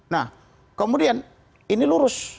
nah kemudian ini lurus